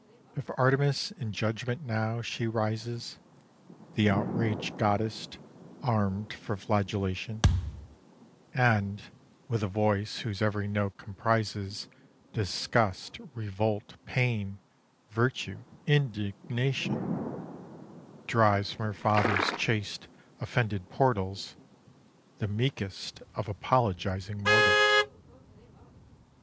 If, Artemis in judgment now, she rises The outraged goddess, armed for flagellation And, with a voice whose every note comprises Disgust, revolt, pain, virtue, indignation, Drives from her father's chaste, offended portals The meekest of apologising mortals.